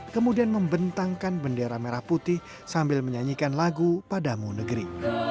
kemudian membentangkan bendera merah putih sambil menyanyikan lagu padamu negeri